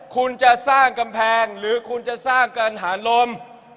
คุณจะสร้างกำแพงหรือคุณจะสร้างการหาลม